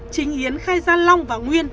chính yến khai gian long và nguyên